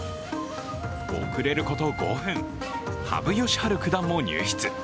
遅れること５分、羽生善治九段も入室。